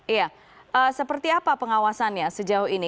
iya seperti apa pengawasannya sejauh ini